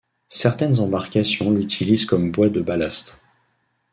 Certaines embarcations l'utilisent comme bois de ballast.